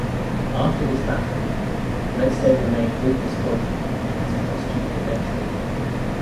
After this battle, Redstone remained with the Squadron as a costumed adventurer.